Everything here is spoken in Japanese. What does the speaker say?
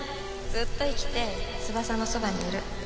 ずっと生きて翼のそばにいる。